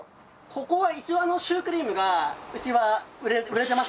ここは一応シュークリームがうちは売れてますね。